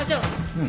うん。